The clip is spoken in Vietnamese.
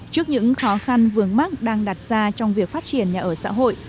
trước những khó khăn vướng mắt đang đặt ra trong việc phát triển nhà ở xã hội